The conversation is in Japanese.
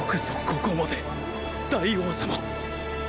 ここまで大王様